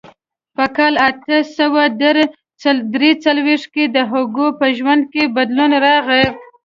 په کال اته سوه درې څلوېښت کې د هوګو په ژوند کې بدلون راغی.